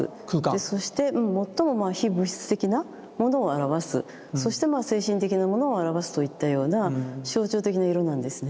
そして最も非物質的なものを表すそしてまあ精神的なものを表すといったような象徴的な色なんですね。